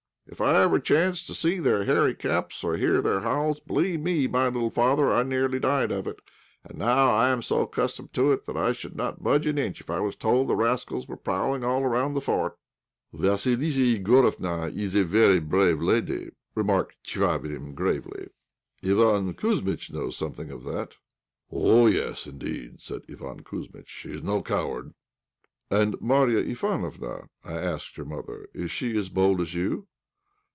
If ever I chanced to see their hairy caps, or hear their howls, believe me, my little father, I nearly died of it. And now I am so accustomed to it that I should not budge an inch if I was told that the rascals were prowling all around the fort." "Vassilissa Igorofna is a very brave lady," remarked Chvabrine, gravely. "Iván Kouzmitch knows something of that." "Oh! yes, indeed," said Iván Kouzmitch, "she's no coward." "And Marya Ivánofna," I asked her mother, "is she as bold as you?"